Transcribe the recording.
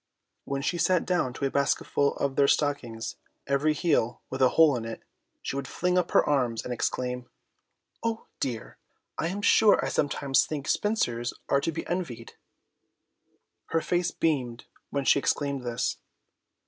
When she sat down to a basketful of their stockings, every heel with a hole in it, she would fling up her arms and exclaim, "Oh dear, I am sure I sometimes think spinsters are to be envied!" Her face beamed when she exclaimed this.